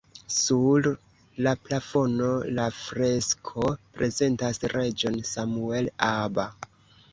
Sur la plafono la fresko prezentas reĝon Samuel Aba.